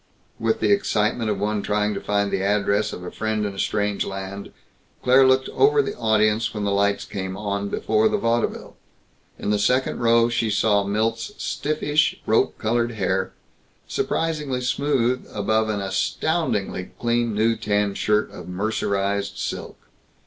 With the excitement of one trying to find the address of a friend in a strange land Claire looked over the audience when the lights came on before the vaudeville. In the second row she saw Milt's stiffish, rope colored hair surprisingly smooth above an astoundingly clean new tan shirt of mercerized silk.